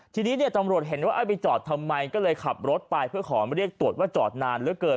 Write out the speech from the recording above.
ทีนี้เนี่ยตำรวจเห็นว่าไปจอดทำไมก็เลยขับรถไปเพื่อขอเรียกตรวจว่าจอดนานเหลือเกิน